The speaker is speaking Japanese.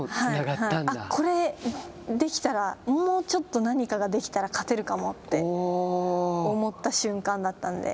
これできたらもうちょっと何かができたら勝てるかもって思った瞬間だったんで。